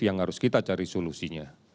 yang harus kita cari solusinya